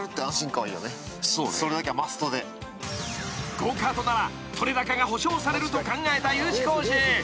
［ゴーカートならとれ高が保証されると考えたＵ字工事］